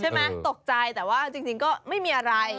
ตกใจแต่ว่าจริงก็ไม่มีอะไร